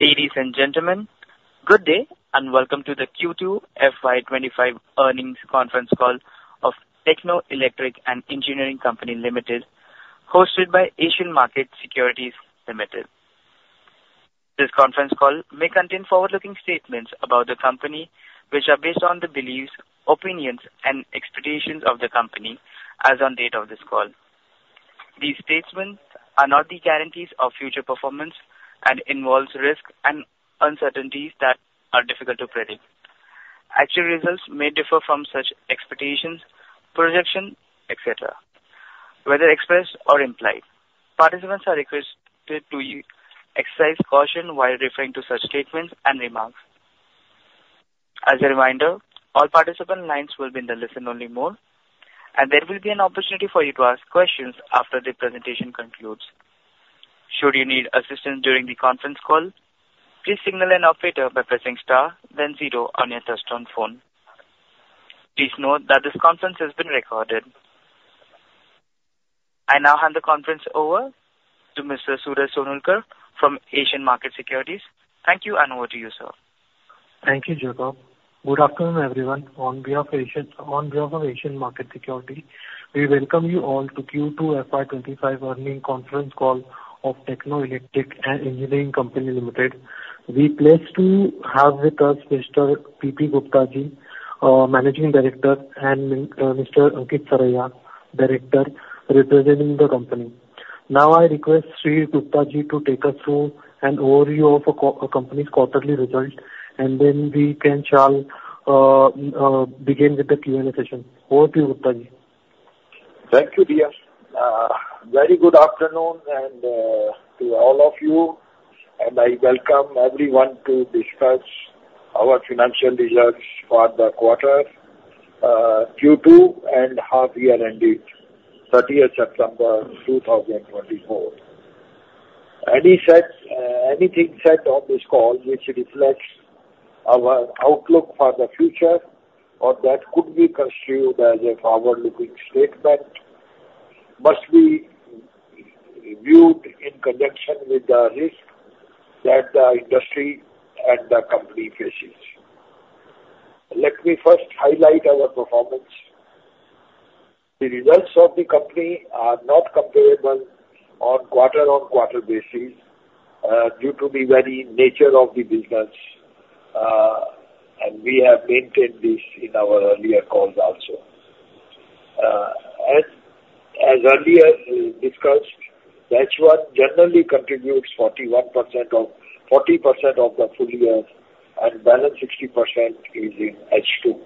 Ladies and gentlemen, good day and welcome to the Q2 FY25 earnings conference call of Techno Electric & Engineering Company Limited, hosted by Asian Market Securities Limited. This conference call may contain forward-looking statements about the company, which are based on the beliefs, opinions, and expectations of the company as of the date of this call. These statements are not the guarantees of future performance and involve risks and uncertainties that are difficult to predict. Actual results may differ from such expectations, projections, etc., whether expressed or implied. Participants are requested to exercise caution while referring to such statements and remarks. As a reminder, all participant lines will be in the listen-only mode, and there will be an opportunity for you to ask questions after the presentation concludes. Should you need assistance during the conference call, please signal an operator by pressing star, then zero on your touch-tone phone. Please note that this conference has been recorded. I now hand the conference over to Mr. Suresh Sonulkar from Asian Markets Securities. Thank you, and over to you, sir. Thank you, Jakob. Good afternoon, everyone. On behalf of Asian Markets Securities, we welcome you all to Q2 FY25 earnings conference call of Techno Electric & Engineering Company Limited. We are pleased to have with us Mr. P. P. Guptaji, Managing Director, and Mr. Ankit Saraiya, Director, representing the company. Now, I request Sri Guptaji to take us through an overview of the company's quarterly results, and then we can begin with the Q&A session. Over to you, Guptaji. Thank you, dear. Very good afternoon to all of you, and I welcome everyone to discuss our financial results for the quarter Q2 and half-year ending 30th September 2024. Anything said on this call, which reflects our outlook for the future, or that could be construed as a forward-looking statement, must be viewed in conjunction with the risk that the industry and the company faces. Let me first highlight our performance. The results of the company are not comparable on quarter-on-quarter basis due to the very nature of the business, and we have maintained this in our earlier calls also. As earlier discussed, H1 generally contributes 40% of the full year, and the balance 60% is in H2.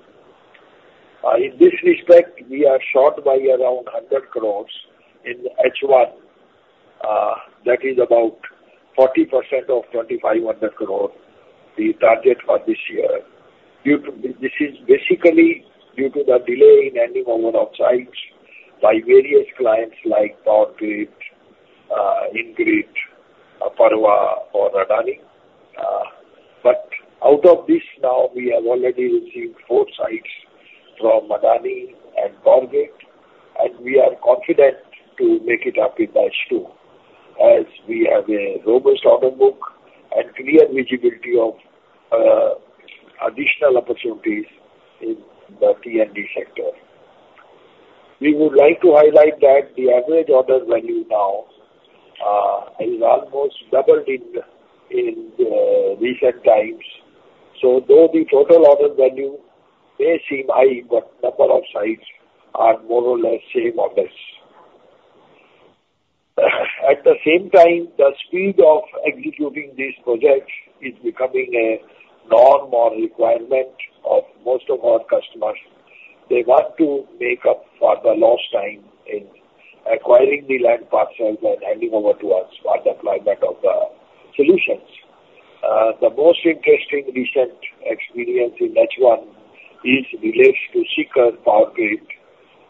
In this respect, we are short by around 100 crores in H1. That is about 40% of 2,500 crores we target for this year. This is basically due to the delay in handing over sites by various clients like Power Grid, IndiGrid, Apraava Energy, or Adani Group. But out of this now, we have already received four sites from Adani Group and Power Grid, and we are confident to make it up in the H2 as we have a robust order book and clear visibility of additional opportunities in the T&D sector. We would like to highlight that the average order value now is almost doubled in recent times. So though the total order value may seem high, but the number of sites are more or less same or less. At the same time, the speed of executing these projects is becoming a norm or requirement of most of our customers. They want to make up for the lost time in acquiring the land parcels and handing over to us for the deployment of the solutions. The most interesting recent experience in H1 relates to Sikar Power Grid,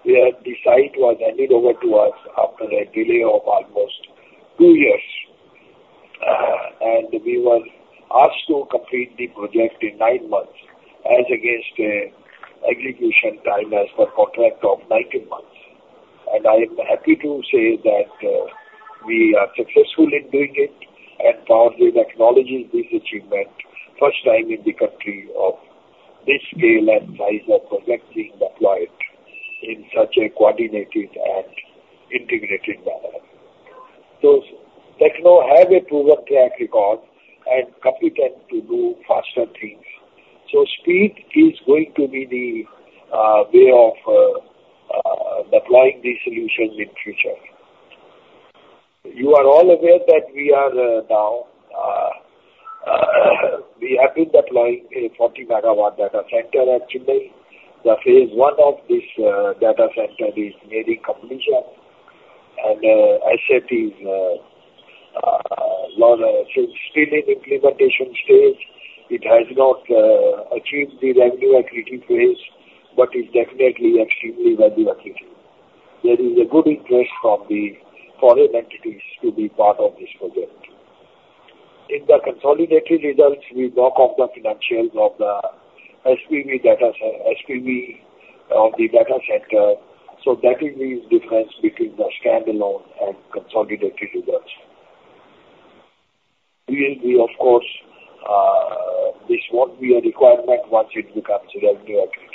where the site was handed over to us after a delay of almost two years, and we were asked to complete the project in nine months as against the execution time as per contract of 19 months. And I am happy to say that we are successful in doing it, and Power Grid acknowledges this achievement, first time in the country of this scale and size of projects being deployed in such a coordinated and integrated manner. So Techno has a proven track record and is competent to do faster things. So speed is going to be the way of deploying these solutions in the future. You are all aware that we have been deploying a 40-megawatt data center at Chennai. The phase one of this data center is nearing completion, and SPV is still in the implementation stage. It has not achieved the revenue-accretive phase, but it's definitely extremely value-accretive. There is a good interest from the foreign entities to be part of this project. In the consolidated results, we knock off the financials of the SPV data center, so that is the difference between the standalone and consolidated results. We will be, of course, this won't be a requirement once it becomes revenue-accretive.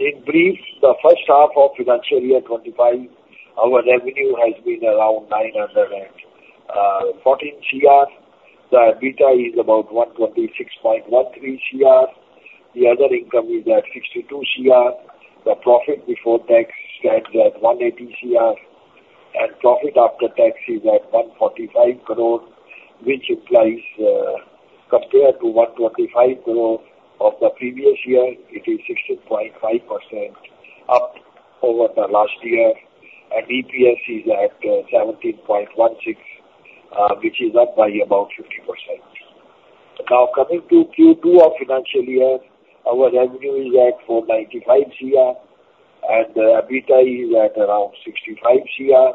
In brief, the first half of financial year 2025, our revenue has been around 914 CR. The EBITDA is about 126.13 CR. The other income is at 62 CR. The profit before tax stands at 180 CR, and profit after tax is at 145 crore, which implies compared to 125 crore of the previous year, it is 16.5% up over the last year, and EPS is at 17.16, which is up by about 50%. Now, coming to Q2 of financial year, our revenue is at 495 CR, and the EBITDA is at around 65 CR.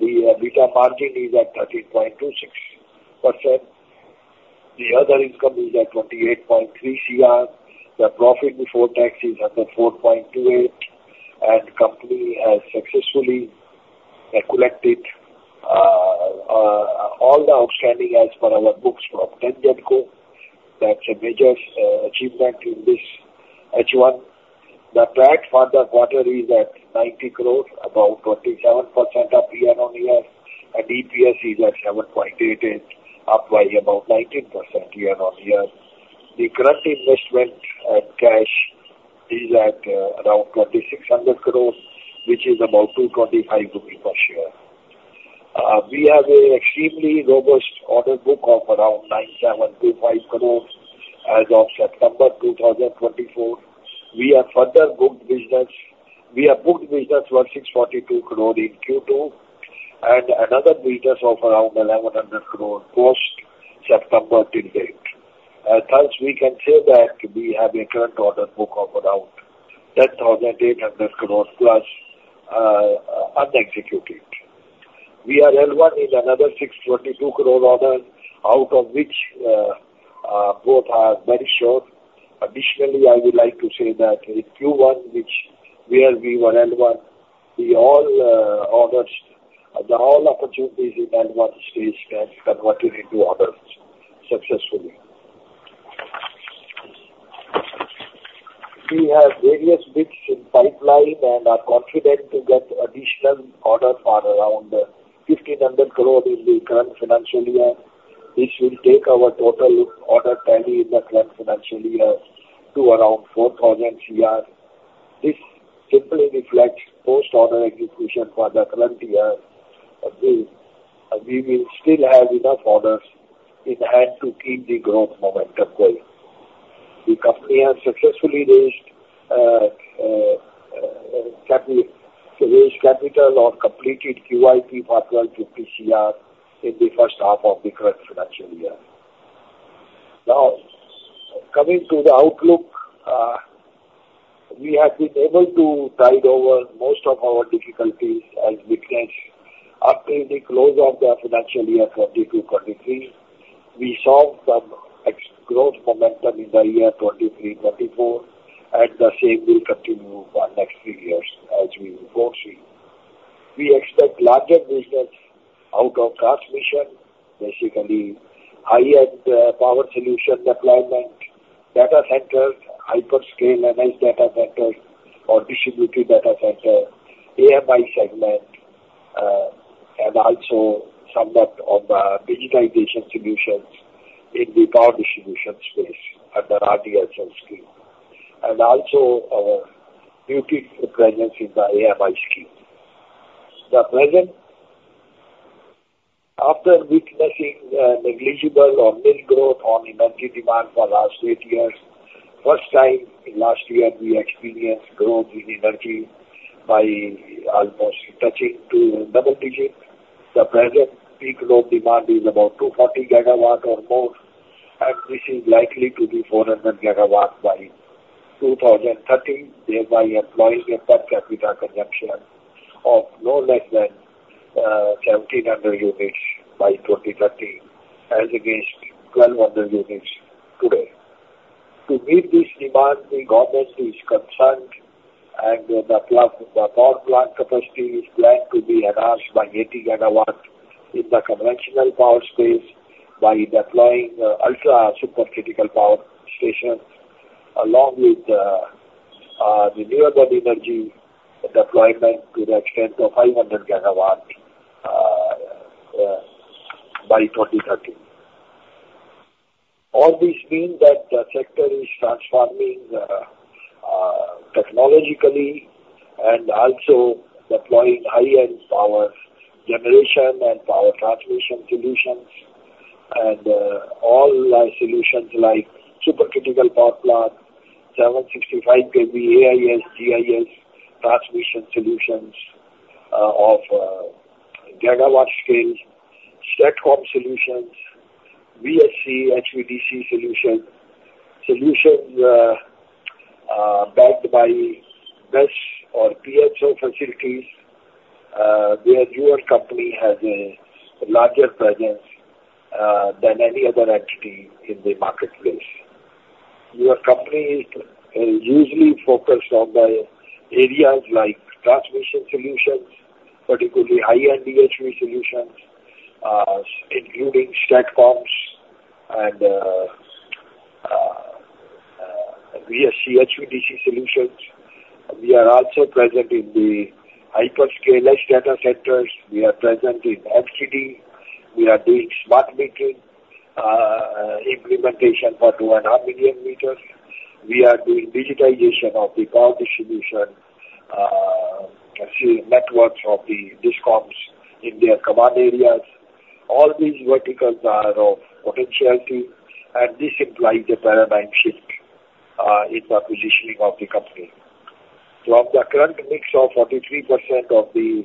The EBITDA margin is at 13.26%. The other income is at 28.3 CR. The profit before tax is at 4.28, and the company has successfully collected all the outstanding as per our books from TANGEDCO. That's a major achievement in this H1. The track for the quarter is at 90 crore, about 27% of year-on-year, and EPS is at 7.88, up by about 19% year-on-year. The current investment at cash is at around 2,600 crore, which is about 225 rupees per share. We have an extremely robust order book of around 9,725 crore as of September 2024. We have further booked business. We have booked business worth 642 crore in Q2 and another business of around 1,100 crore post-September till date. Thus, we can say that we have a current order book of around 10,800 crore plus unexecuted. We are L1 in another 622 crore order, out of which both are very short. Additionally, I would like to say that in Q1, where we were L1, the all opportunities in L1 stage have converted into orders successfully. We have various bids in pipeline and are confident to get additional orders for around 1,500 crore in the current financial year. This will take our total order tally in the current financial year to around 4,000 crore. This simply reflects post-order execution for the current year. We will still have enough orders in hand to keep the growth momentum going. The company has successfully raised capital or completed QIP for 1,250 crore in the first half of the current financial year. Now, coming to the outlook, we have been able to tide over most of our difficulties and weaknesses up to the close of the financial year 2022-23. We saw some growth momentum in the year 2023-24, and the same will continue for the next few years as we foresee. We expect larger business out of transmission, basically high-end power solution deployment, data centers, hyperscale MS data centers or distributed data centers, AMI segment, and also somewhat of digitization solutions in the power distribution space under RDSS scheme, and also a muted presence in the AMI scheme. The present, after witnessing negligible or mild growth on energy demand for the last eight years, first time last year we experienced growth in energy by almost touching double digits. The present peak load demand is about 240 gigawatts or more, and this is likely to be 400 gigawatts by 2030, thereby employing a per capita consumption of no less than 1,700 units by 2030, as against 1,200 units today. To meet this demand, the government is concerned, and the power plant capacity is planned to be enhanced by 80 gigawatts in the conventional power space by deploying ultra-supercritical power stations, along with renewable energy deployment to the extent of 500 gigawatts by 2030. All this means that the sector is transforming technologically and also deploying high-end power generation and power transmission solutions, and all solutions like supercritical power plants, 765 kV AIS, GIS transmission solutions of gigawatt scale, STATCOM solutions, VSC, HVDC solutions, solutions backed by BESS or PSP facilities, where your company has a larger presence than any other entity in the marketplace. Your company is usually focused on the areas like transmission solutions, particularly high-end HVDC solutions, including STATCOMs and VSC, HVDC solutions. We are also present in the hyperscale data centers. We are present in EPC. We are doing smart metering implementation for 2.5 million meters. We are doing digitization of the power distribution networks of the DISCOMs in their command areas. All these verticals are of potentiality, and this implies a paradigm shift in the positioning of the company. From the current mix of 43% of the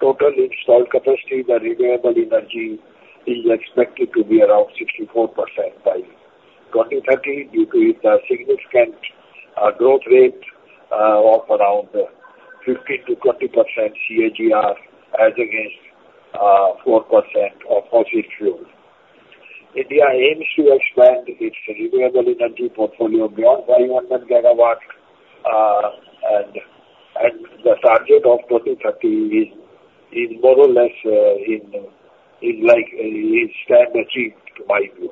total installed capacity, the renewable energy is expected to be around 64% by 2030 due to the significant growth rate of around 15%-20% CAGR, as against 4% of fossil fuel. India aims to expand its renewable energy portfolio beyond 500 gigawatts, and the target of 2030 is more or less on track achieved by 2030,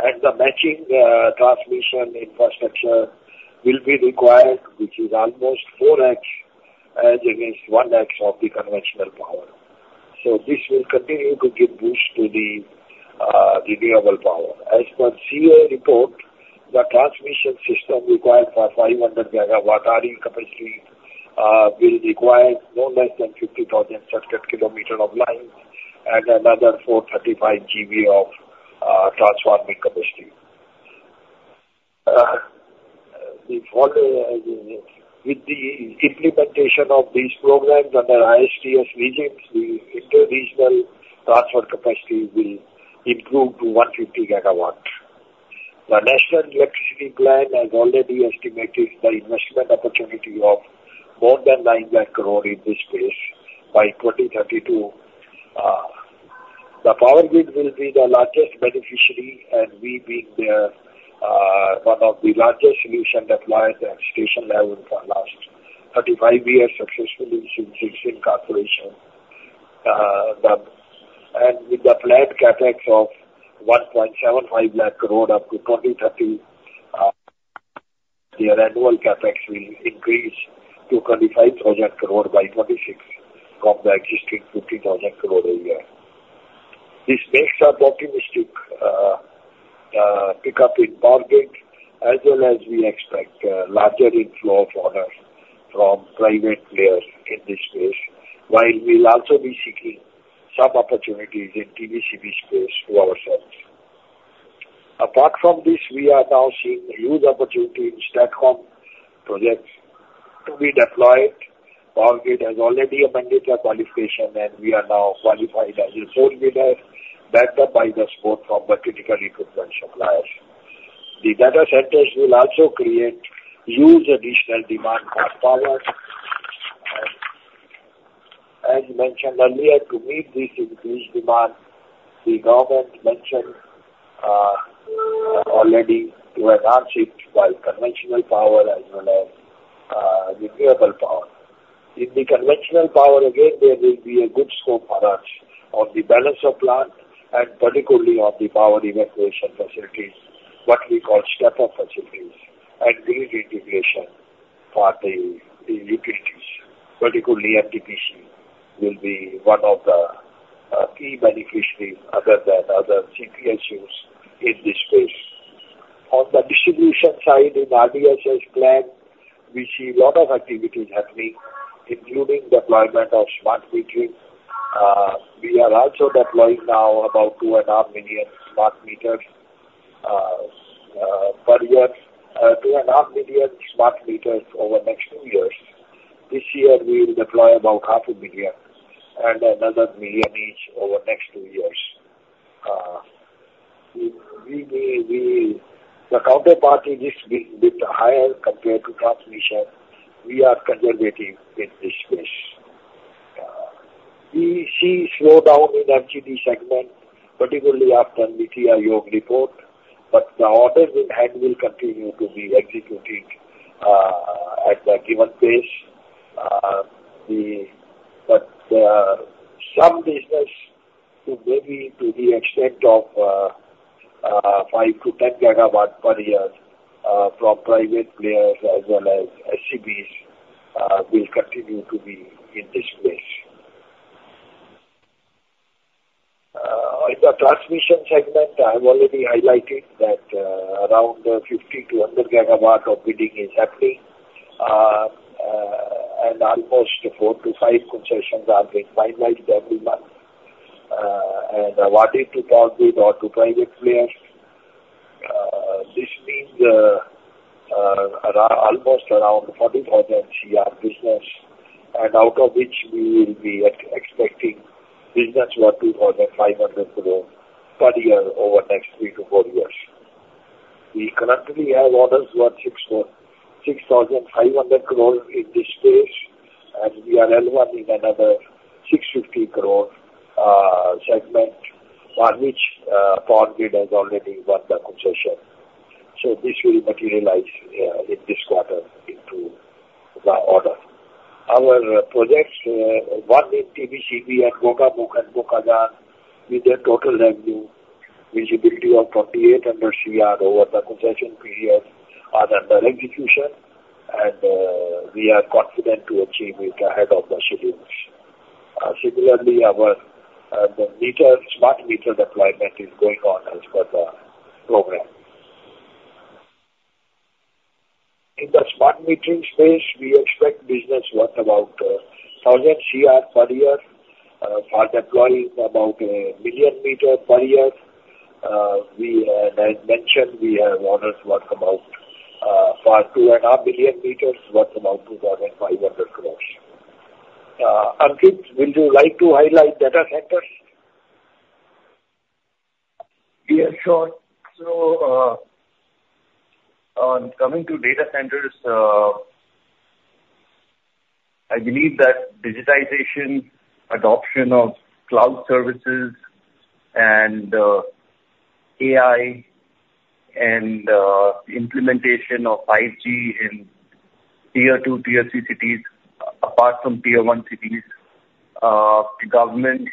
and the matching transmission infrastructure will be required, which is almost 4X as against 1X of the conventional power. So this will continue to give boost to the renewable power. As per CEA report, the transmission system required for 500 gigawatt RE capacity will require no less than 50,000 circuit kilometers of lines and another 435 GW of transformation capacity. With the implementation of these programs under ISTS regimes, the interregional transfer capacity will improve to 150 gigawatts. The National Electricity Plan has already estimated the investment opportunity of more than 900 crore in this space by 2032. The Power Grid will be the largest beneficiary, and we being one of the largest solution deployers at station level for the last 35 years, successfully seeing incorporation, and with the planned CapEx of 1.75 lakh crore up to 2030, their annual CapEx will increase to 25,000 crore by 2026 from the existing 50,000 crore a year. This makes us optimistic pickup in Power Grid, as well as we expect larger inflow of orders from private players in this space, while we'll also be seeking some opportunities in TBCB space to ourselves. Apart from this, we are now seeing huge opportunity in STATCOM projects to be deployed. Power Grid has already amended their qualification, and we are now qualified as a four-wheeler, backed up by the support from the critical equipment suppliers. The data centers will also create huge additional demand for power. As mentioned earlier, to meet this increased demand, the government mentioned already to enhance it by conventional power as well as renewable power. In the conventional power, again, there will be a good scope for us on the balance of plant and particularly on the power evacuation facilities, what we call step-up facilities and grid integration for the utilities, particularly NTPC, will be one of the key beneficiaries other than other CPSUs in this space. On the distribution side in RDSS plan, we see a lot of activities happening, including deployment of smart meters. We are also deploying now about 2.5 million smart meters per year, 2.5 million smart meters over the next two years. This year, we will deploy about 500,000 and another 1 million each over the next two years. The counterparty risk being a bit higher compared to transmission, we are conservative in this space. We see slowdown in MTD segment, particularly after NITI Aayog report, but the orders in hand will continue to be executed at the given pace. Some business, maybe to the extent of 5-10 gigawatts per year from private players as well as SEBs, will continue to be in this space. In the transmission segment, I have already highlighted that around 50-100 gigawatts of bidding is happening, and almost four to five concessions are being finalized every month. I wanted to talk with our two private players. This means almost around 40,000 CR business, and out of which we will be expecting business worth 2,500 crore per year over the next three to four years. We currently have orders worth 6,500 crore in this space, and we are L1 in another 650 crore segment, one which Power Grid has already won the concession. So this will materialize in this quarter into the order. Our projects won in TBCB and Gokak and Gokazan with their total revenue, visibility of 2,800 CR over the concession period are under execution, and we are confident to achieve it ahead of the schedules. Similarly, our smart meter deployment is going on as per the program. In the smart metering space, we expect business worth about 1,000 CR per year for deploying about a million meters per year. As mentioned, we have orders worth about 2.5 million meters worth about 2,500 crores. Ankit, would you like to highlight data centers? Yeah, sure. So on coming to data centers, I believe that digitization, adoption of cloud services, and AI, and implementation of 5G in tier two, tier three cities, apart from tier one cities, the government's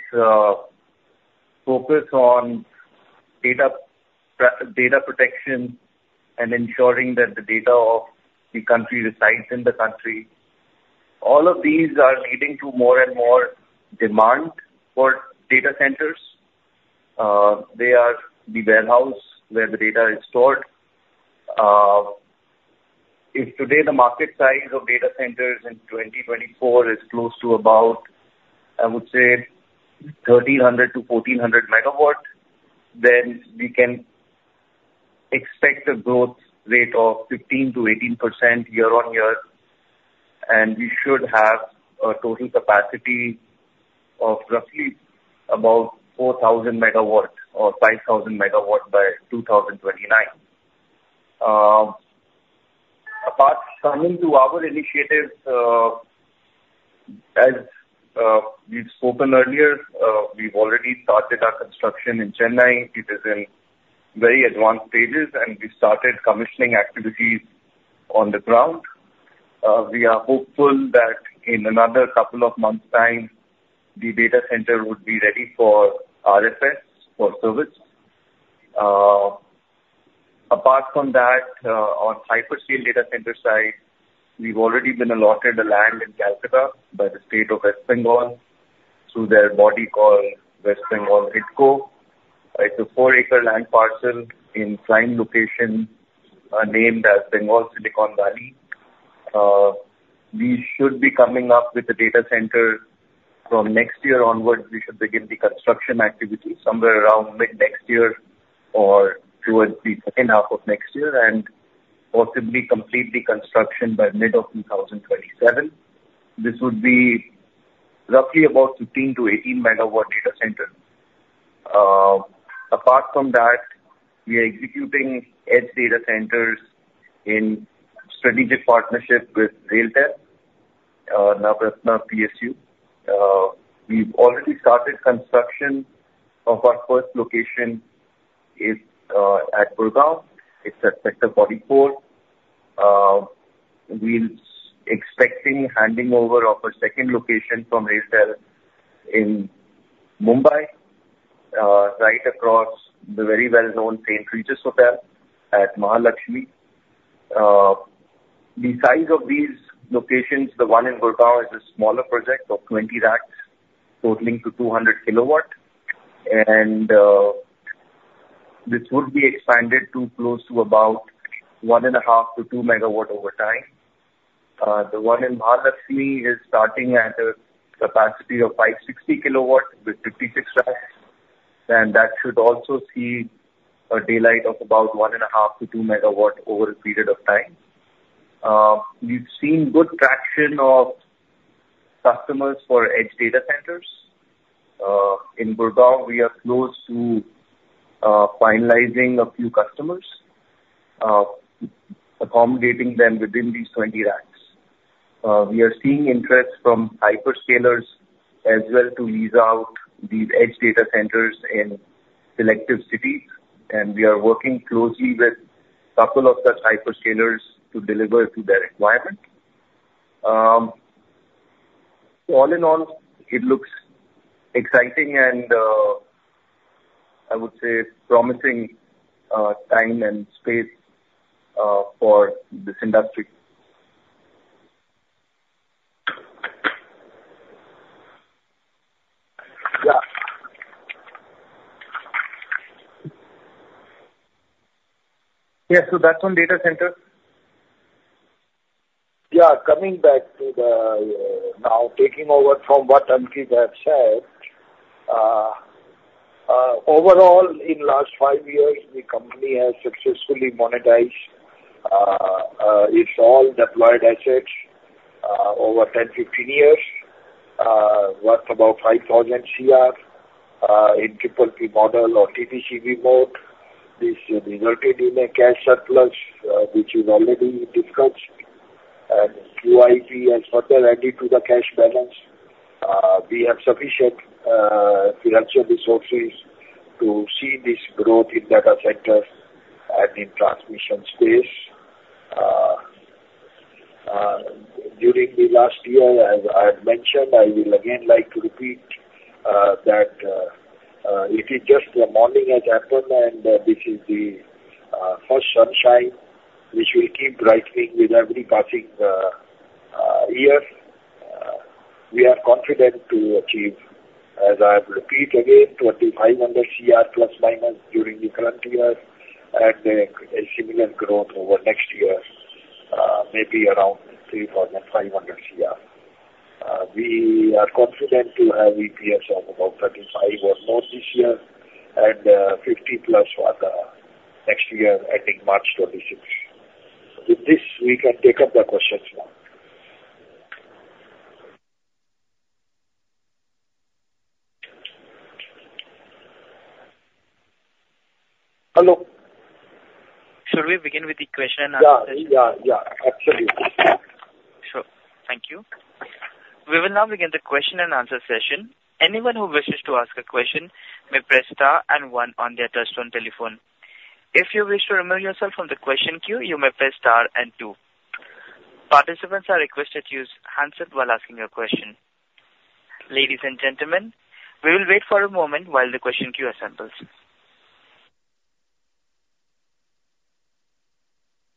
focus on data protection and ensuring that the data of the country resides in the country. All of these are leading to more and more demand for data centers. They are the warehouse where the data is stored. If today the market size of data centers in 2024 is close to about, I would say, 1,300-1,400 megawatts, then we can expect a growth rate of 15%-18% year on year, and we should have a total capacity of roughly about 4,000 megawatts or 5,000 megawatts by 2029. Apart from our initiatives, as we've spoken earlier, we've already started our construction in Chennai. It is in very advanced stages, and we've started commissioning activities on the ground. We are hopeful that in another couple of months' time, the data center would be ready for RFS for service. Apart from that, on hyperscale data center side, we've already been allotted the land in Kolkata by the state of West Bengal through their body called West Bengal HIDCO. It's a four-acre land parcel in client location named as Bengal Silicon Valley. We should be coming up with the data center from next year onward. We should begin the construction activity somewhere around mid-next year or towards the second half of next year and possibly complete the construction by mid of 2027. This would be roughly about 15- to 18-megawatt data centers. Apart from that, we are executing edge data centers in strategic partnership with RailTel, Navratna PSU. We've already started construction of our first location at Gurugram. It's at Sector 44. We're expecting handing over of a second location from RailTel in Mumbai, right across the very well-known St. Regis Hotel at Mahalakshmi. The size of these locations, the one in Gurugram, is a smaller project of 20 racks, totaling to 200 kilowatts, and this would be expanded to close to about 1.5-2 megawatts over time. The one in Mahalakshmi is starting at a capacity of 560 kilowatts with 56 racks, and that should also see a daylight of about 1.5-2 megawatts over a period of time. We've seen good traction of customers for edge data centers. In Gurugram, we are close to finalizing a few customers, accommodating them within these 20 racks. We are seeing interest from hyperscalers as well to lease out these edge data centers in selective cities, and we are working closely with a couple of such hyperscalers to deliver to their requirement. All in all, it looks exciting and, I would say, promising time and space for this industry. Yeah. Yeah, so that's on data centers. Yeah, coming back to the now taking over from what Ankit has said, overall, in the last five years, the company has successfully monetized its all deployed assets over 10, 15 years, worth about 5,000 CR in triple P model or TBCB mode. This resulted in a cash surplus, which is already discussed, and QIP has further added to the cash balance. We have sufficient financial resources to see this growth in data centers and in transmission space. During the last year, as I had mentioned, I will again like to repeat that it is just the morning has happened, and this is the first sunshine, which will keep brightening with every passing year. We are confident to achieve, as I have repeated again, 2,500 CR plus minus during the current year, and a similar growth over next year, maybe around 3,500 CR. We are confident to have EPS of about 35 or more this year and 50 plus for the next year ending March 2026. With this, we can take up the questions now. Hello. Shall we begin with the question and answer session? Yeah, yeah, yeah. Absolutely. Sure. T hank you. We will now begin the question and answer session. Anyone who wishes to ask a question may press star and one on their touch-tone telephone. If you wish to remove yourself from the question queue, you may press star and two. Participants are requested to use hands up while asking your question. Ladies and gentlemen, we will wait for a moment while the question queue assembles.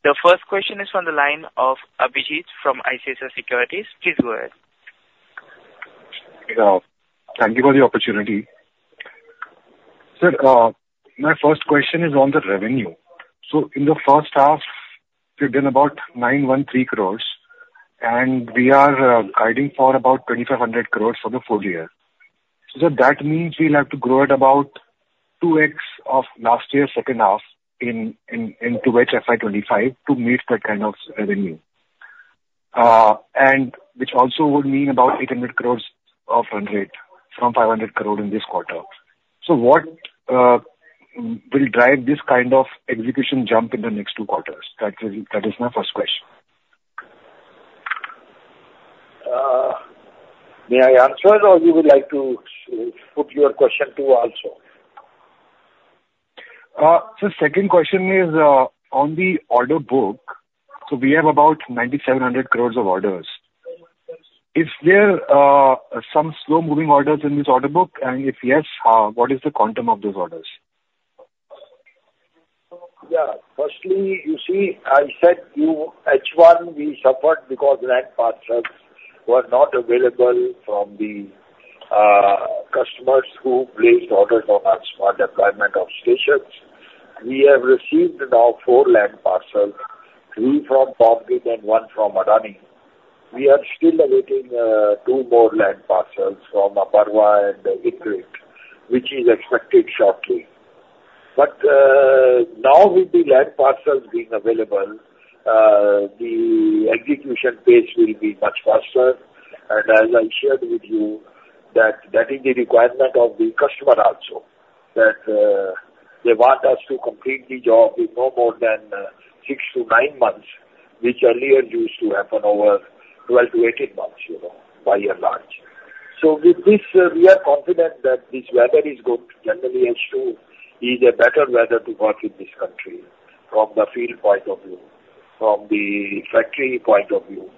The first question is from the line of Abhijit from ICICI Securities. Please go ahead. Thank you for the opportunity. Sir, my first question is on the revenue. So in the first half, we've done about 913 crores, and we are aiming for about 2,500 crores for the full year. So that means we'll have to grow at about 2x of last year's second half into H2 FY25 to meet that kind of revenue, which also would mean about 800 crores of run rate from 500 crore in this quarter. So what will drive this kind of execution jump in the next two quarters? That is my first question. May I answer, or you would like to put your question to also? So the second question is on the order book. So we have about 9,700 crores of orders. Is there some slow-moving orders in this order book? And if yes, what is the quantum of those orders? Yeah. Firstly, you see, I said H1 we suffered because land parcels were not available from the customers who placed orders on our smart deployment of stations. We have received now four land parcels, three from Power Grid and one from Adani. We are still awaiting two more land parcels from Apraava and HIDCO, which is expected shortly. But now with the land parcels being available, the execution pace will be much faster. And as I shared with you, that is the requirement of the customer also, that they want us to complete the job in no more than six to nine months, which earlier used to happen over 12 to 18 months by and large. So with this, we are confident that this weather is going to generally ensure either better weather to work in this country from the field point of view, from the factory point of view.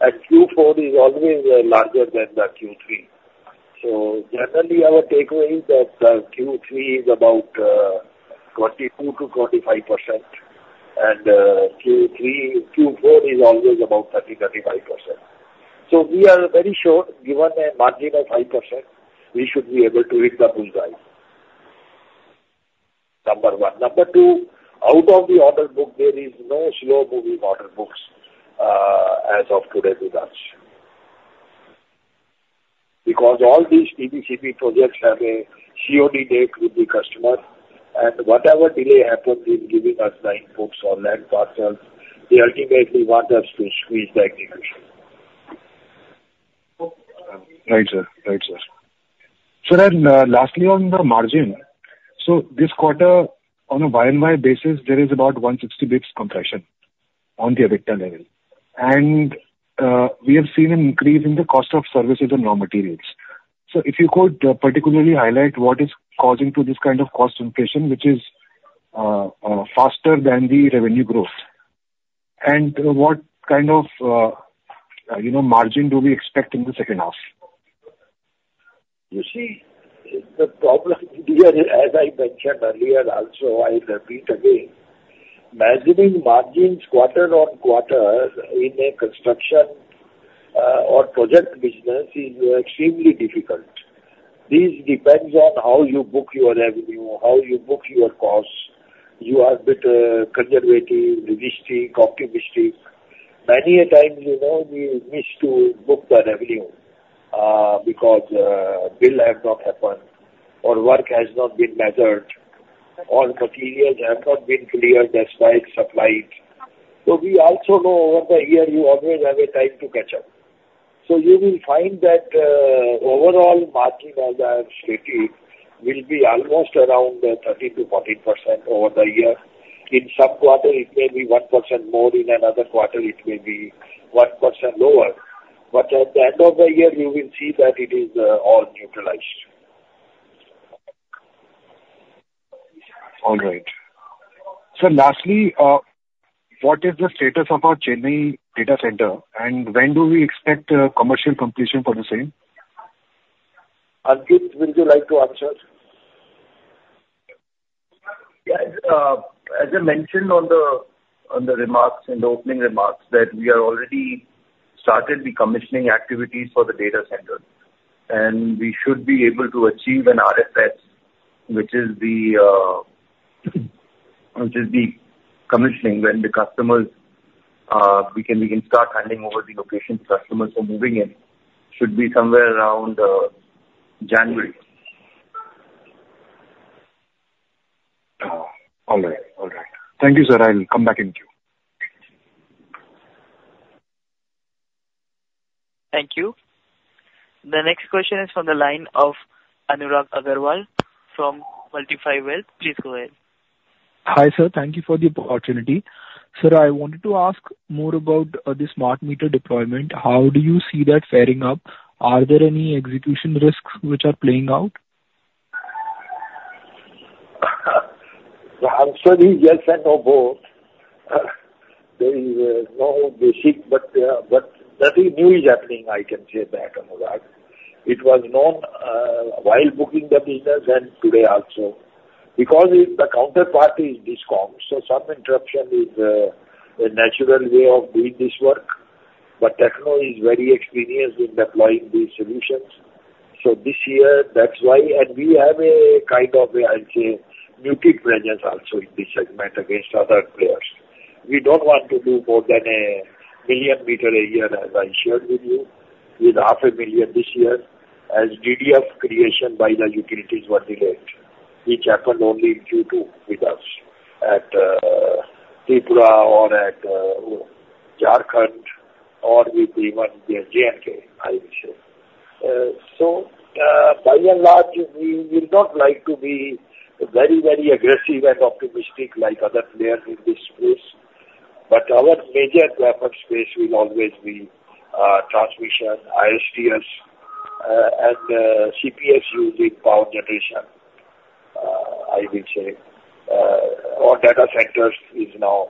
And Q4 is always larger than Q3. So generally, our takeaway is that Q3 is about 22%-25%, and Q4 is always about 30%-35%. So we are very sure given a margin of 5%, we should be able to hit the bull's eye. Number one. Number two, out of the order book, there is no slow-moving order books as of today with us. Because all these TBCB projects have a COD date with the customer, and whatever delay happens in giving us the inputs or land parcels, they ultimately want us to squeeze the execution. Right, sir. Right, sir. So then lastly on the margin, so this quarter, on a year-on-year basis, there is about 160 basis points compression on the EBITDA level. And we have seen an increase in the cost of services and raw materials. So if you could particularly highlight what is causing this kind of cost inflation, which is faster than the revenue growth, and what kind of margin do we expect in the second half? You see, the problem here, as I mentioned earlier also, I'll repeat again, measuring margins quarter on quarter in a construction or project business is extremely difficult. This depends on how you book your revenue, how you book your costs. You are a bit conservative, logistic, optimistic. Many a time, we miss to book the revenue because bill has not happened or work has not been measured. All materials have not been cleared as well supplied. So we also know over the year you always have a time to catch up. So you will find that overall margin, as I have stated, will be almost around 30%-40% over the year. In some quarter, it may be 1% more; in another quarter, it may be 1% lower. But at the end of the year, you will see that it is all neutralized. All right. So lastly, what is the status of our Chennai data center, and when do we expect commercial completion for the same? Ankit, would you like to answer? Yeah. As I mentioned in the opening remarks, that we have already started the commissioning activities for the data center, and we should be able to achieve an RFS, which is the commissioning when the customers can begin handing over the location to customers who are moving in, should be somewhere around January. All right. All right. Thank you, sir. I'll come back to you. Thank you. The next question is from the line of Anurag Agarwal from Multifi Wealth. Please go ahead. Hi, sir. Thank you for the opportunity. Sir, I wanted to ask more about the smart meter deployment. How do you see that faring up? Are there any execution risks which are playing out? I'm sure it's yes and no both. There is no basis, but nothing new is happening, I can say that, Anurag. It was known while booking the business and today also. Because the counterpart is DISCOM, so some interruption is a natural way of doing this work. But Techno is very experienced in deploying these solutions. So this year, that's why, and we have a kind of, I'd say, muted presence also in this segment against other players. We don't want to do more than 1 million meters a year, as I shared with you, with 500,000 this year, as DDF creation by the utilities were delayed, which happened only in Q2 with us at Tripura or at Jharkhand or with even J&K, I would say. So by and large, we will not like to be very, very aggressive and optimistic like other players in this space. But our major graphic space will always be transmission, ISTS, and EPC using power generation, I would say. Our data center is now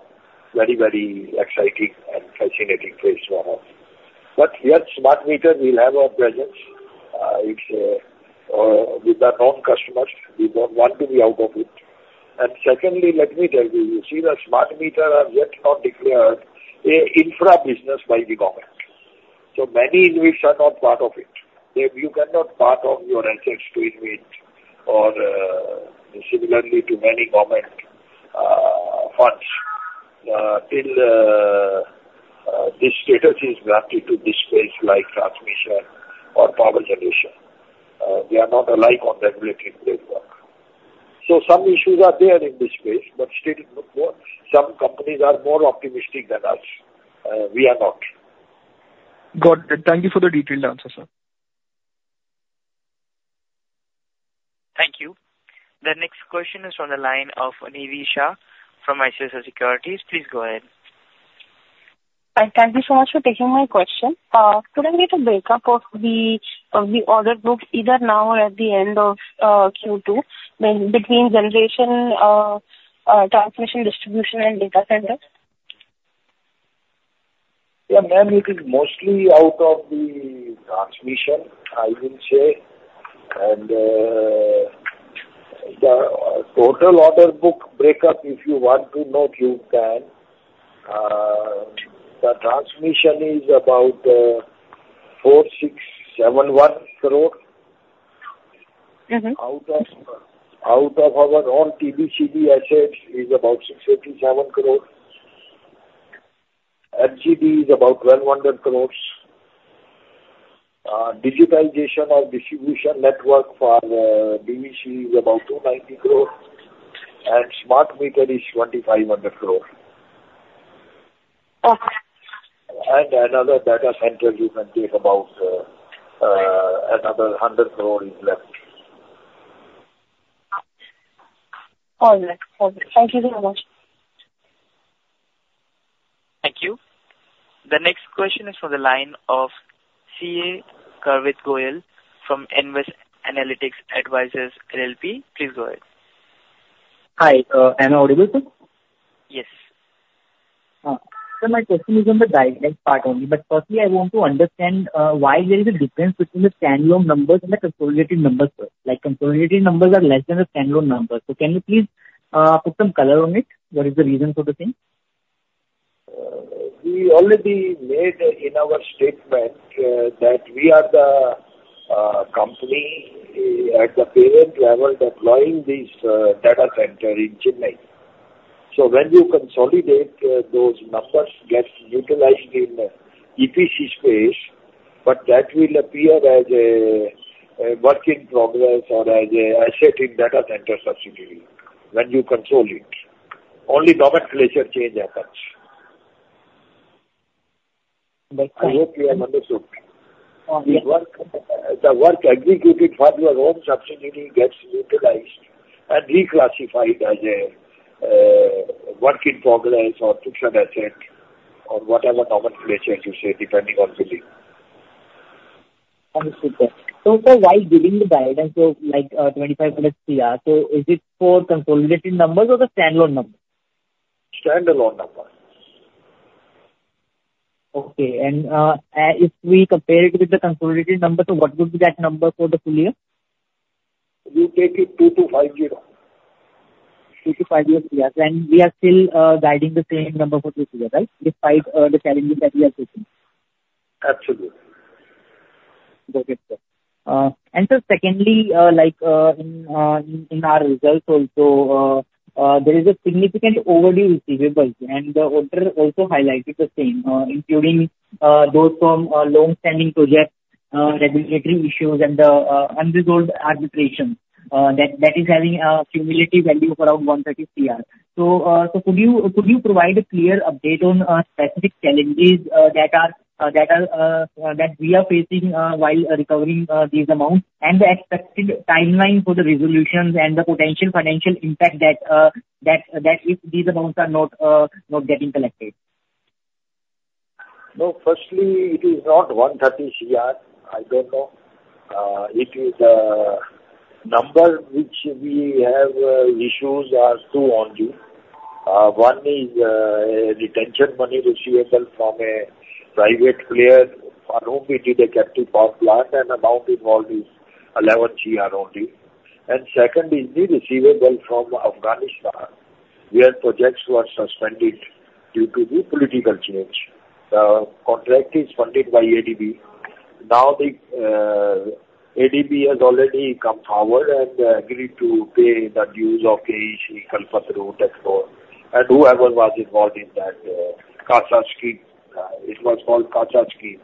very, very exciting and fascinating phase for us. But yet, smart meter will have a presence. It's with our own customers. We don't want to be out of it. And secondly, let me tell you, you see the smart meter are yet not declared an infra business by the government. So many in which are not part of it. You cannot part of your assets to invent or similarly to many government funds. This status is granted to this space like transmission or power generation. They are not alike on the regulatory framework. So some issues are there in this space, but still some companies are more optimistic than us. We are not. Got it. Thank you for the detailed answer, sir. Thank you. The next question is from the line of Nivisha from ICICI Securities. Please go ahead. Thank you so much for taking my question. Could I get a breakup of the order book either now or at the end of Q2 between generation, transmission, distribution, and data center? Yeah, mainly it is mostly out of the transmission, I would say. And the total order book breakup, if you want to note, you can. The transmission is about 4,671 crore. Out of our own TBCB assets is about 687 crore. FGD is about 1,200 crore. Digitization of distribution network for DVC is about 290 crore. And smart meter is 2,500 crore. And another data center you can take about another 100 crore is left. All right. Thank you very much. Thank you. The next question is from the line of CA Karmit Goyal from NVEST Analytics Advisors LLP. Please go ahead. Hi. Am I audible? Yes. Sir, my question is on the diagnostic part only. Firstly, I want to understand why there is a difference between the standalone numbers and the consolidated numbers. Like, consolidated numbers are less than the standalone numbers. So, can you please put some color on it? What is the reason for the thing? We already made in our statement that we are the company at the parent level deploying this data center in Chennai. So, when you consolidate, those numbers get utilized in EPC space, but that will appear as a work in progress or as an asset in data center subsidiary when you consolidate. Only nomenclature change happens. I hope you have understood. The work executed for your own subsidiary gets utilized and reclassified as a work in progress or as an asset or whatever nomenclature you say, depending on billing. Understood, sir. So sir, while giving the guidance of like 25 minutes here, so is it for consolidated numbers or the standalone numbers? Standalone numbers. Okay. And if we compare it with the consolidated numbers, what would be that number for the full year? You take it 2250. 2250, yes. And we are still guiding the same number for this year, right? Despite the challenges that we are facing. Absolutely. Got it, sir. And sir, secondly, like in our results also, there is a significant overdue receivables, and the auditor also highlighted the same, including those from long-standing projects, regulatory issues, and the unresolved arbitrations that is having a cumulative value of around 130 CR. So could you provide a clear update on specific challenges that we are facing while recovering these amounts and the expected timeline for the resolutions and the potential financial impact that if these amounts are not getting collected? No, firstly, it is not 130 CR. I don't know. It is a number which we have issues are two only. One is retention money receivable from a private player for whom we did a capital power plant, and the amount involved is 11 CR only. And second is the receivable from Afghanistan, where projects were suspended due to the political change. The contract is funded by ADB. Now, ADB has already come forward and agreed to pay the dues of KEC, Kalpataru, Explore, and whoever was involved in that CASA-1000. It was called CASA-1000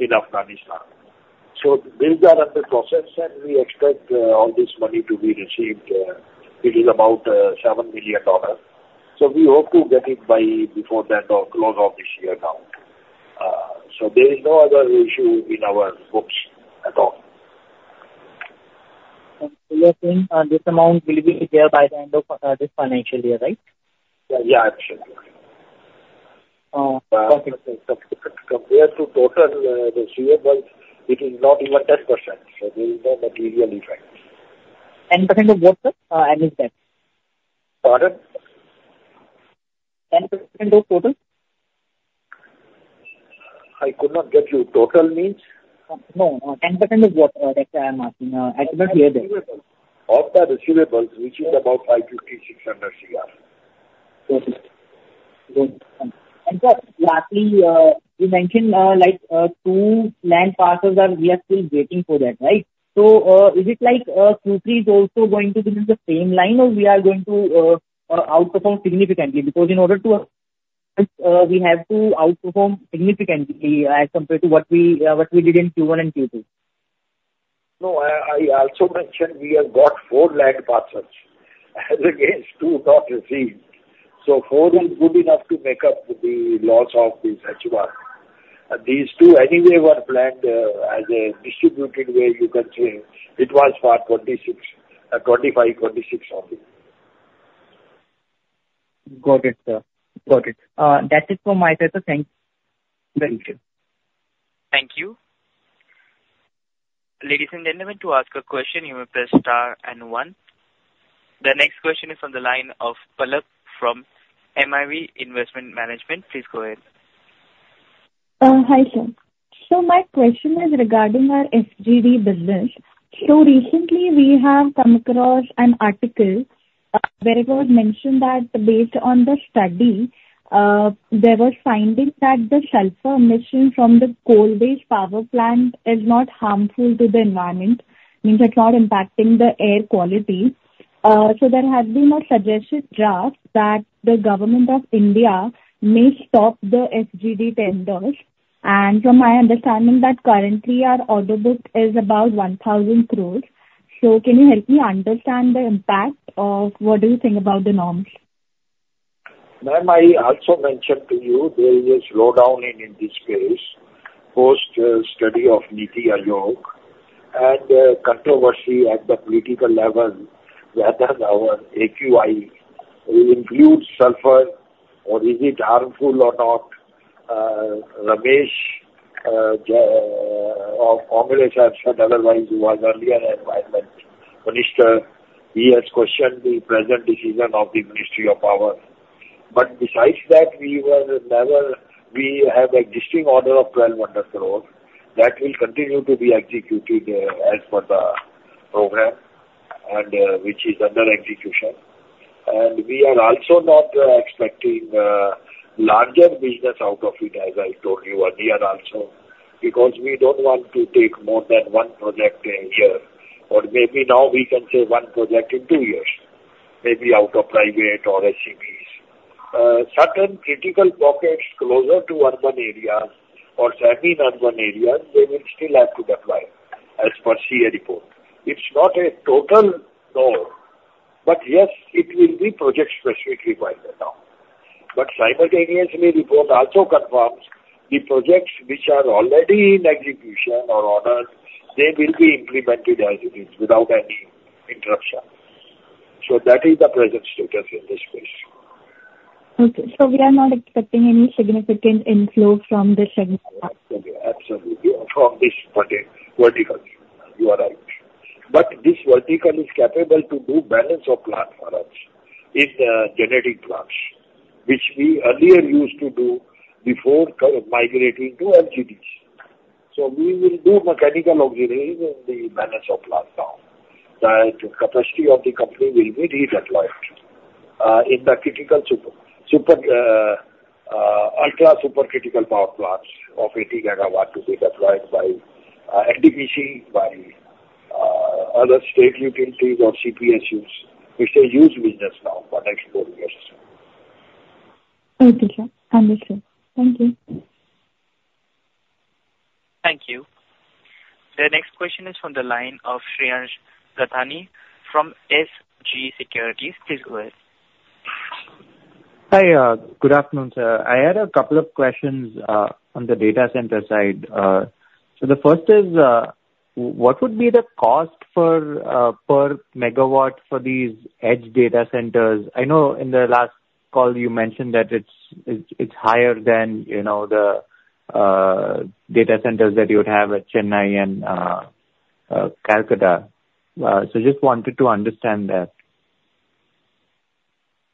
in Afghanistan. Bills are under process, and we expect all this money to be received. It is about $7 million. We hope to get it before the close of this year now. There is no other issue in our books at all. And this amount will be there by the end of this financial year, right? Yeah, absolutely. Compared to total receivables, it is not even 10%. So there is no material effect. 10% of what, sir? And it's there. Pardon 10% of total? I could not get your total means. No, 10% of what? I'm asking. I could not hear that. Of the receivables, which is about 550-600 CR. And sir, lastly, you mentioned like two land parcels. We are still waiting for that, right? Is it like Q3 is also going to be in the same line, or we are going to outperform significantly? Because in order to, we have to outperform significantly as compared to what we did in Q1 and Q2.No, I also mentioned we have got four land parcels, as against two not received. So four is good enough to make up the loss of this H1. These two anyway were planned as a distributed way, you can say. It was for 25, 26 only. Got it, sir. Got it. That's it from my side, sir. Thanks. Thank you. Thank you. Ladies and gentlemen, if you want to ask a question. You may press star and one. The next question is from the line of Palak from MIV Investment Management. Please go ahead. Hi, sir. So my question is regarding our FGD business. So recently, we have come across an article where it was mentioned that based on the study, there was finding that the sulfur emission from the coal-based power plant is not harmful to the environment, means it's not impacting the air quality. So there has been a suggested draft that the government of India may stop the FGD tenders. And from my understanding, that currently our order book is about 1,000 crore. So can you help me understand the impact of what do you think about the norms? Then I also mentioned to you there is a slowdown in this space post study of NITI Aayog and controversy at the political level whether our AQI will include sulfur or is it harmful or not. Ramesh of Congress has said otherwise. He was earlier an environment minister. He has questioned the present decision of the Ministry of Power. But besides that, we have existing order of 1,200 crore that will continue to be executed as per the program, which is under execution. And we are also not expecting larger business out of it, as I told you, we are also. Because we don't want to take more than one project a year. Or maybe now we can say one project in two years, maybe out of private or SGBs. Certain critical pockets closer to urban areas or semi-urban areas, they will still have to deploy as per CA report. It's not a total no. But yes, it will be project specifically pilot now. But simultaneously, report also confirms the projects which are already in execution or ordered, they will be implemented as it is without any interruption. So that is the present status in this space. Okay. So we are not expecting any significant inflow from the segment. Absolutely. From this vertical. You are right. But this vertical is capable to do balance of plant for us in the generating plants, which we earlier used to do before migrating to FGDs. So we will do mechanical auxiliary in the balance of plant now. The capacity of the company will be redeployed in the critical super ultra super critical power plants of 80 gigawatt to be deployed by NTPC, by other state utilities or CPSUs, which they use business now for the next four years. Okay, sir. Understood. Thank you. Thank you. The next question is from the line of Srihansh Rathani from SG Securities. Please go ahead. Hi. Good afternoon, sir. I had a couple of questions on the data center side. So the first is, what would be the cost per megawatt for these edge data centers? I know in the last call you mentioned that it's higher than the data centers that you would have at Chennai and Calcutta. So just wanted to understand that.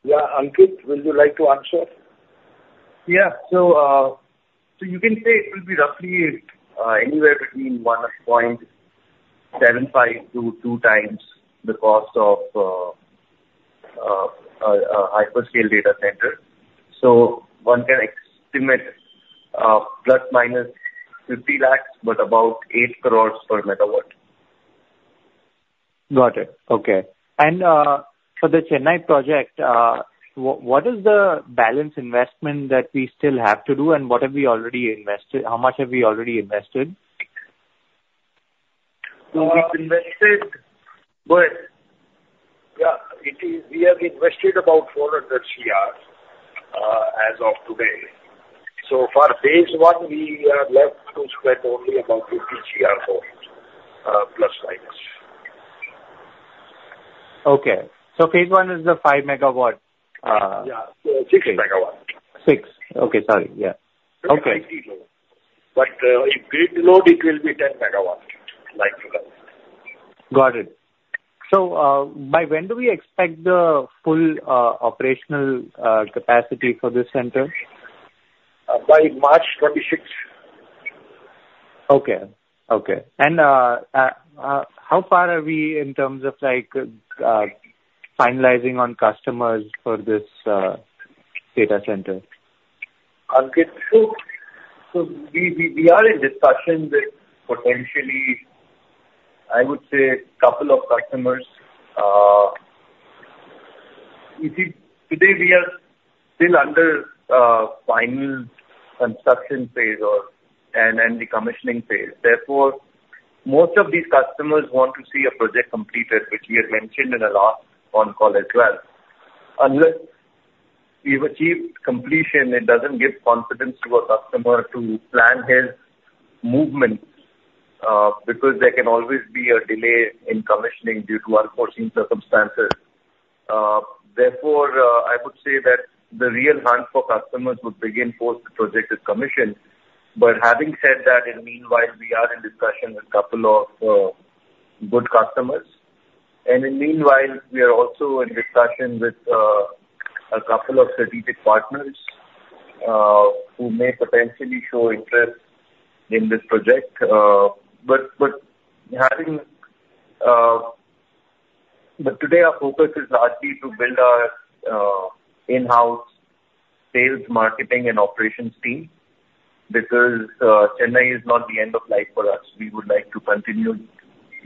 Yeah. Ankit, would you like to answer? Yeah. So you can say it will be roughly anywhere between 1.75-2 times the cost of a hyperscale data center. So one can estimate plus minus 50 lakhs, but about 8 crores per megawatt. Got it. Okay. And for the Chennai project, what is the balance investment that we still have to do, and what have we already invested? How much have we already invested? We have invested about 400 CR as of today. So for phase one, we are left to spend only about 50 CR crore, plus minus. Okay. So phase one is the 5 megawatt. Yeah. 6 megawatt. 6. Okay. Sorry. Yeah. Okay. But if grid load, it will be 10 megawatts, like you said. Got it. So by when do we expect the full operational capacity for this center? By March 26. Okay. Okay. And how far are we in terms of finalizing on customers for this data center? Ankit, so we are in discussion with potentially, I would say, a couple of customers. Today, we are still under final construction phase and the commissioning phase. Therefore, most of these customers want to see a project completed, which we had mentioned in the last phone call as well. Unless we've achieved completion, it doesn't give confidence to our customer to plan his movements because there can always be a delay in commissioning due to unforeseen circumstances. Therefore, I would say that the real hunt for customers would begin post the project is commissioned. But having said that, in meanwhile, we are in discussion with a couple of good customers. And in meanwhile, we are also in discussion with a couple of strategic partners who may potentially show interest in this project. But today, our focus is largely to build our in-house sales, marketing, and operations team because Chennai is not the end of life for us. We would like to continue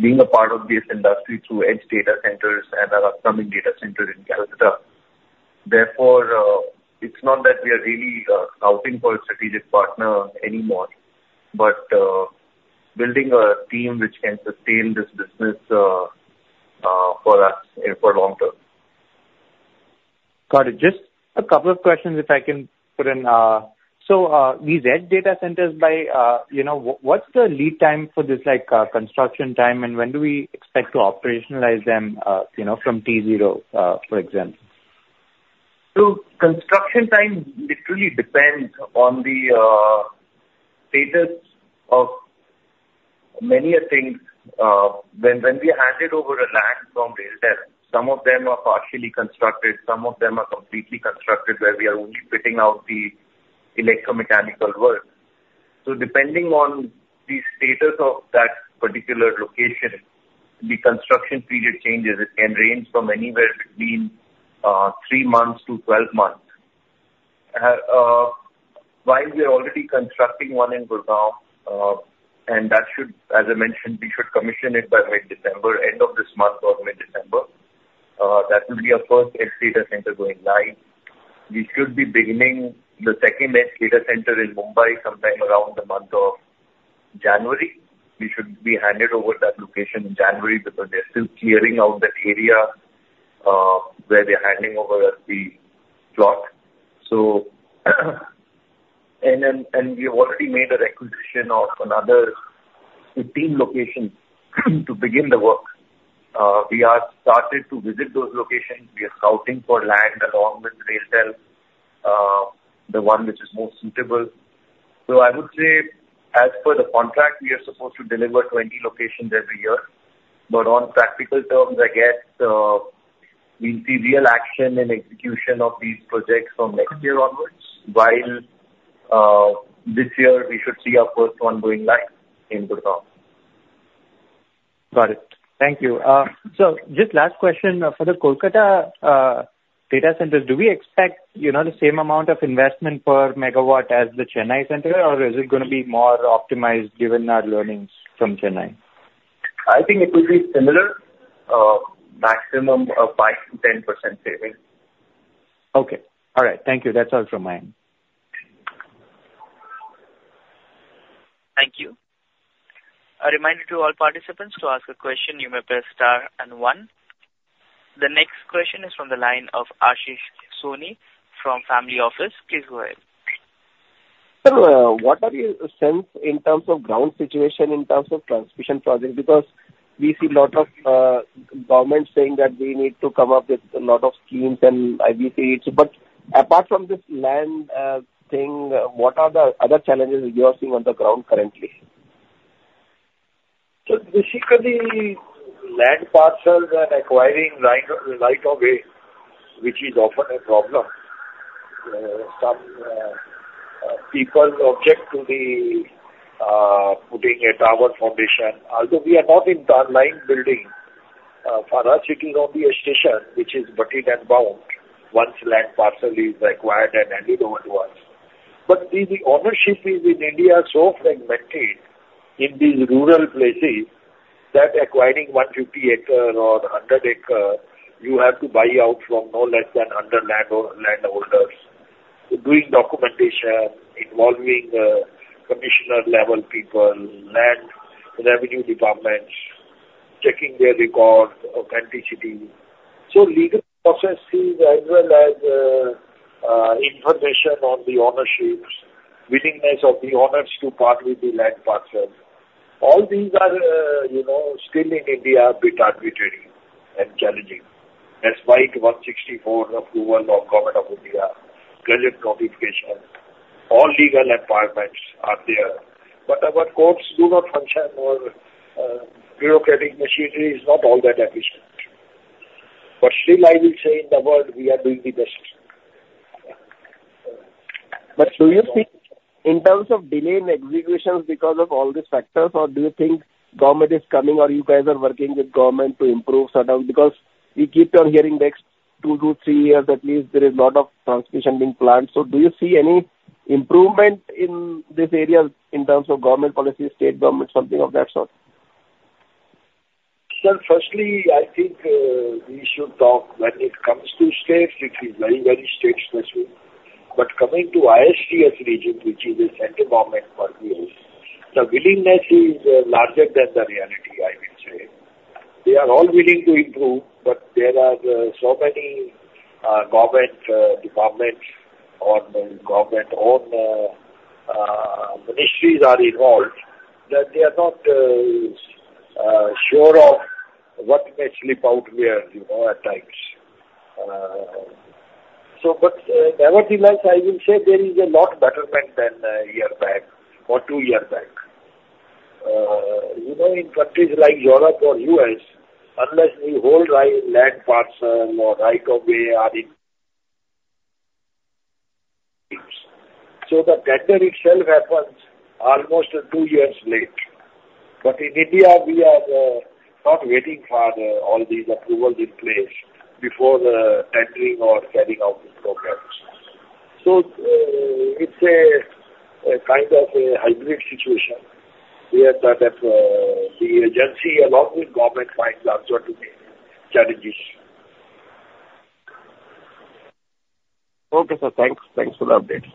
being a part of this industry through edge data centers and our upcoming data center in Kolkata. Therefore, it's not that we are really scouting for a strategic partner anymore, but building a team which can sustain this business for us for long term. Got it. Just a couple of questions, if I can put in. So these edge data centers, what's the lead time for this construction time, and when do we expect to operationalize them from T0, for example? So construction time literally depends on the status of many things. When we hand over the land from RailTel, some of them are partially constructed, some of them are completely constructed where we are only fitting out the electromechanical work. So depending on the status of that particular location, the construction period changes. It can range from anywhere between 3 months to 12 months. While we are already constructing one in Gurugram, and that should, as I mentioned, we should commission it by mid-December, end of this month or mid-December. That will be our first edge data center going live. We should be beginning the second edge data center in Mumbai sometime around the month of January. We should be handed over that location in January because they're still clearing out that area where they're handing over the plot. We have already made a requisition of another 15 locations to begin the work. We have started to visit those locations. We are scouting for land along with RailTel, the one which is most suitable. I would say, as per the contract, we are supposed to deliver 20 locations every year. But on practical terms, I guess we'll see real action and execution of these projects from next year onwards. While this year, we should see our first one going live in Gurugram. Got it. Thank you. Just last question. For the Kolkata data centers, do we expect the same amount of investment per megawatt as the Chennai center, or is it going to be more optimized given our learnings from Chennai? I think it would be similar, maximum of 5-10% saving. Okay. All right. Thank you. That's all from my end. Thank you. A reminder to all participants to ask a question. You may press star and one. The next question is from the line of Ashish Soni from Family Office. Please go ahead. Sir, what are your sense in terms of ground situation, in terms of transmission projects? Because we see a lot of government saying that we need to come up with a lot of schemes and EPCs. But apart from this land thing, what are the other challenges you are seeing on the ground currently? So basically, land acquisition, right of way, which is often a problem. Some people object to putting a tower foundation. Although we are not in the line building, the substation is abutted and bound once land parcel is acquired and handed over to us. But the ownership in India is so fragmented in these rural places that acquiring 150 acres or 100 acres, you have to buy out from no less than 100 landholders. So, doing documentation involving commissioner-level people, land revenue departments, checking their records, authenticity. So, legal processes as well as information on the ownership, willingness of the owners to part with the land parcel. All these are still in India a bit arbitrary and challenging. That's why it was 64 approval of Government of India, credit notification. All legal requirements are there. But our courts do not function or bureaucratic machinery is not all that efficient. But still, I will say in the world, we are doing the best. But do you think in terms of delay in executions because of all these factors, or do you think government is coming or you guys are working with government to improve sort of? Because we keep on hearing next two to three years, at least there is a lot of transmission being planned. So do you see any improvement in this area in terms of government policy, state government, something of that sort? Well, firstly, I think we should talk when it comes to states, which is very, very state specific. But coming to ISGS region, which is a central government project, the willingness is larger than the reality, I would say. They are all willing to improve, but there are so many government departments or government-owned ministries that are involved that they are not sure of what may slip out here at times. But nevertheless, I will say there is a lot betterment than a year back or two years back. In countries like Europe or U.S., unless we hold land parcel or right of way are in. So the tender itself happens almost two years late. But in India, we are not waiting for all these approvals in place before tendering or selling out the programs. So it's a kind of a hybrid situation where the agency along with government finds out what to do. Challenges. Okay, sir. Thanks. Thanks for the update.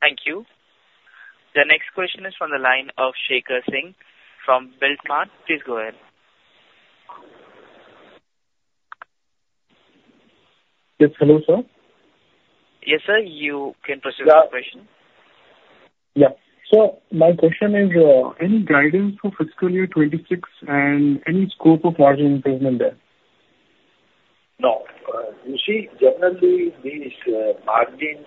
Thank you. The next question is from the line of Shekhar Singh from Beltman. Please go ahead. Yes. Hello, sir. Yes, sir. You can proceed with the question. Yeah. So my question is, any guidance for fiscal year 26 and any scope of margin improvement there? No. You see, generally, these margins,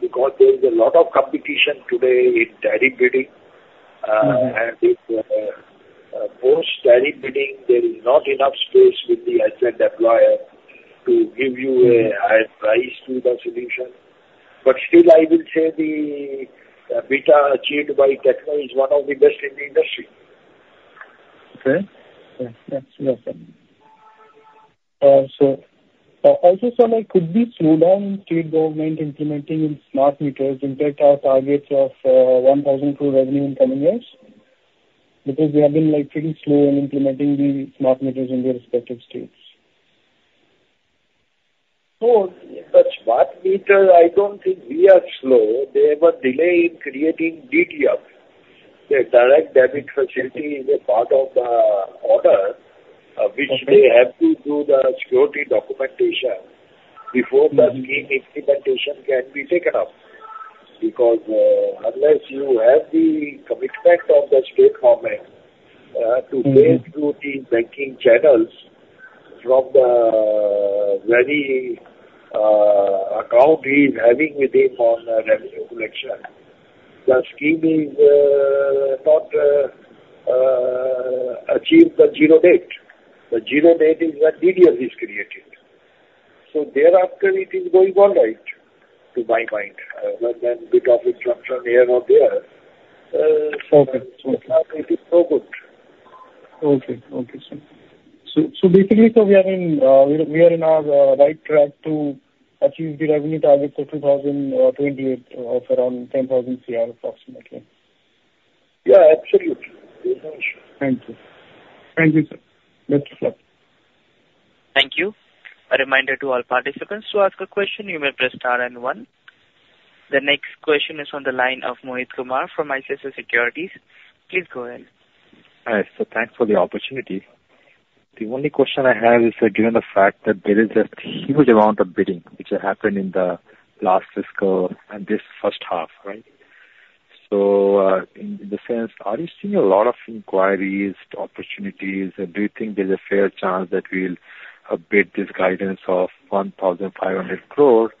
because there is a lot of competition today in tariff bidding, and with most tariff bidding, there is not enough space with the asset owner to give you a higher price to the solution. But still, I will say the EBITDA achieved by Techno is one of the best in the industry. Okay. Yeah. Yes. Yes, sir. Also, sir, could the slowdown in state government implementing smart meters hit our targets of 1,000 crore revenue in coming years? Because we have been pretty slow in implementing the smart meters in the respective states. So the smart meter, I don't think we are slow. They have a delay in creating DDF. The direct debit facility is a part of the order, which they have to do the security documentation before the scheme implementation can be taken up. Because unless you have the commitment of the state government to pay through the banking channels from the very account he is having with him on the revenue collection, the scheme is not achieved at zero date. The zero date is when DTF is created. So thereafter, it is going all right to my mind, other than a bit of interruption here or there. So it is no good. Okay. Okay, sir. So basically, sir, we are in our right track to achieve the revenue targets for 2028 of around 10,000 CR approximately. Yeah. Absolutely. There's no issue. Thank you. Thank you, sir. Best of luck. Thank you. A reminder to all participants to ask a question. You may press star and one. The next question is from the line of Mohit Kumar from ICICI Securities. Please go ahead. Hi. So thanks for the opportunity. The only question I have is, given the fact that there is a huge amount of bidding, which has happened in the last fiscal and this first half, right? So in the sense, are you seeing a lot of inquiries, opportunities, and do you think there's a fair chance that we'll bid this guidance of 1,500 crore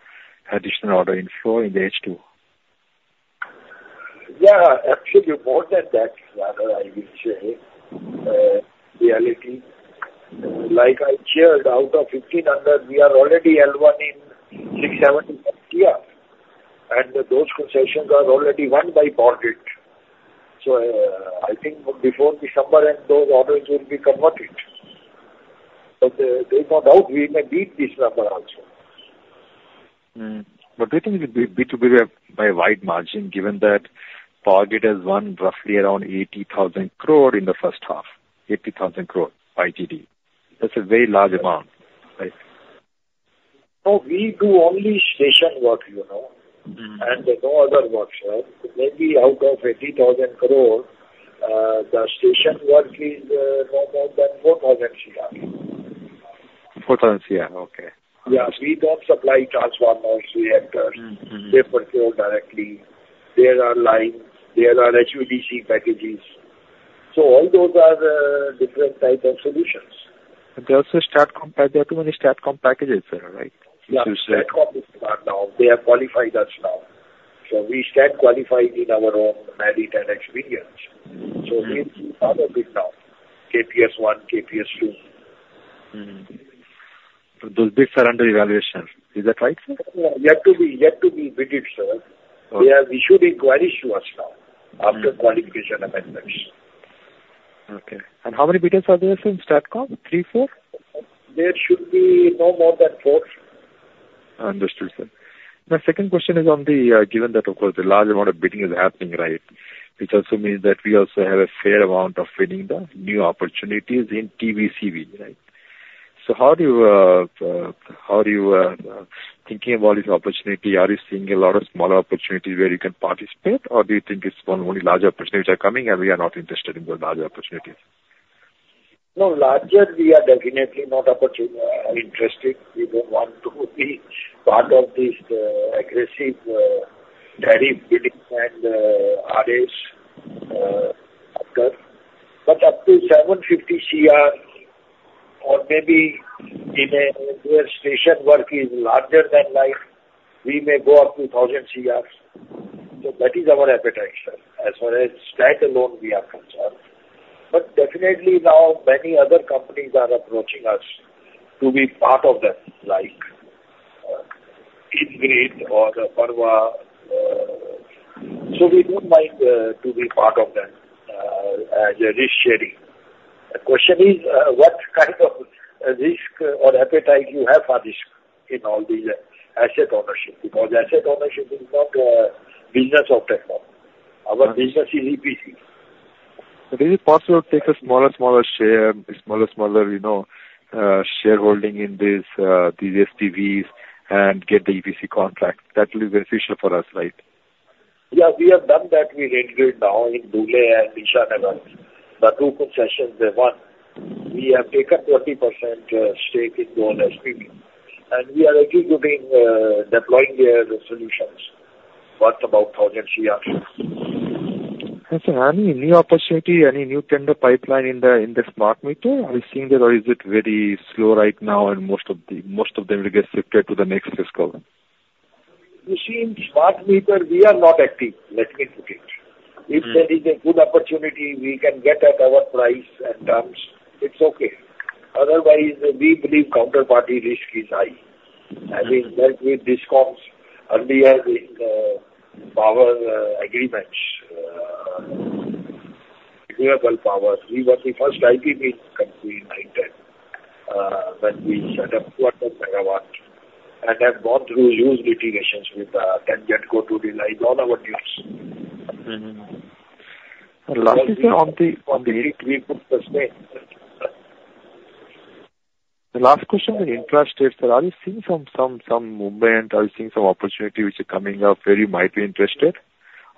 additional order inflow in the H2? Yeah. Actually, more than that, rather, I will say. Really. Like I shared, out of 1,500, we are already L1 in 670 crore. And those concessions are already won by board it. So I think before December, those orders will be converted. But there is no doubt we may beat this number also. But do you think we'll beat it by a wide margin given that Fargate has won roughly around 80,000 crore in the first half, 80,000 crore indeed? That's a very large amount, right? So we do only station work, and there's no other work. So maybe out of 80,000 crore, the station work is no more than 4,000 CR. 4,000 CR. Okay. Yeah. We don't supply transformer reactors. They procure directly. There are lines. There are HVDC packages. So all those are different types of solutions. But there are also STATCOM packages. There are too many STATCOM packages, sir, right? Yeah. STATCOM is smart now. They have qualified us now. So we stand qualified in our own merit and experience. So we've found a bid now, KPS1, KPS2. So those bids are under evaluation. Is that right, sir? Yet to be bidded, sir. They are issued inquiries to us now after qualification of assets. Okay. And how many bidders are there from STATCOM? Three, four? There should be no more than four. Understood, sir. My second question is, given that, of course, the large amount of bidding is happening, right? Which also means that we also have a fair amount of winning the new opportunities in TBCB, right? So how are you thinking about this opportunity? Are you seeing a lot of smaller opportunities where you can participate, or do you think it's only larger opportunities that are coming, and we are not interested in those larger opportunities? No, larger, we are definitely not interested. We don't want to be part of these aggressive tariff bidding and RAs after. But up to 750 crore, or maybe in a substation work is larger than that, we may go up to 1,000 crore. So that is our appetite, sir, as far as that is concerned. But definitely now, many other companies are approaching us to be part of that, like IndiGrid or Apraava. So we don't mind to be part of them as a risk sharing. The question is, what kind of risk or appetite you have for risk in all these asset ownership? Because asset ownership is not a business of Techno. Our business is EPC. But is it possible to take a smaller and smaller share, smaller and smaller shareholding in these SPVs and get the EPC contract? That will be beneficial for us, right? Yeah. We have done that. We're integrated now in Dhule and Srinagar. The two concessions, the one. We have taken 20% stake in Dhule SPV. And we are executing, deploying their solutions. Worth about INR 1,000 crore. Is there any new opportunity, any new tender pipeline in the smart meter? Are you seeing that, or is it very slow right now, and most of them will get shifted to the next fiscal? You see, in smart meter, we are not active, let me put it. If there is a good opportunity, we can get at our price and terms, it's okay. Otherwise, we believe counterparty risk is high. I mean, that with discoms earlier in power agreements, renewable power. We were the first EPC company in EPC when we set up 200 megawatts and have gone through huge litigations with the TANGEDCO, all our deals. On the EPC, we put the same. The last question is the infrastructure, sir. Are you seeing some movement? Are you seeing some opportunity which is coming up where you might be interested,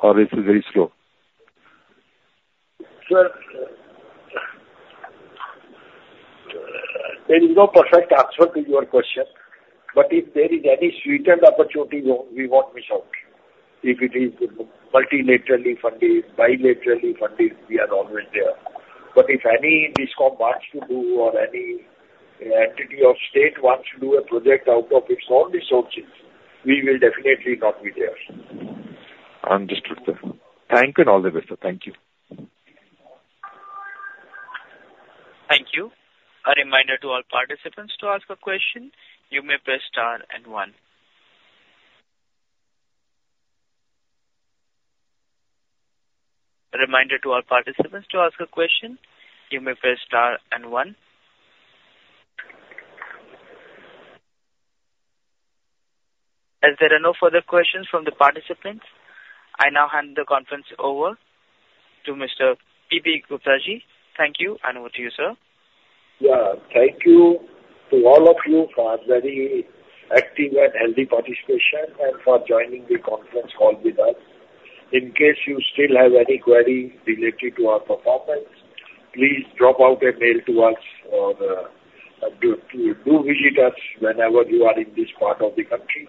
or is it very slow? Sir, there is no perfect answer to your question. But if there is any sweetened opportunity, we won't miss out. If it is multilaterally funded, bilaterally funded, we are always there. But if any discom wants to do or any entity of state wants to do a project out of its own resources, we will definitely not be there. Understood, sir. Thank you in all the way, sir. Thank you. Thank you. A reminder to all participants to ask a question. You may press star and one. A reminder to all participants to ask a question. You may press star and one. As there are no further questions from the participants, I now hand the conference over to Mr. P.P. Gupta. Thank you. And over to you, sir. Yeah. Thank you to all of you for very active and healthy participation and for joining the conference call with us. In case you still have any query related to our performance, please drop us a mail to us or do visit us whenever you are in this part of the country.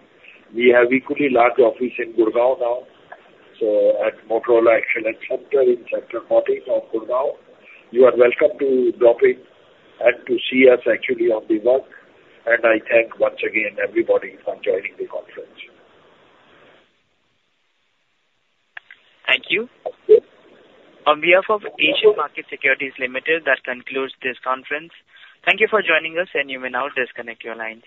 We have equally large office in Gurugram now, so at Motorola Excellence Center in Sector 14 of Gurugram. You are welcome to drop in and to see us actually at work. I thank once again everybody for joining the conference. Thank you. On behalf of Asian Markets Securities Limited, that concludes this conference. Thank you for joining us, and you may now disconnect your lines.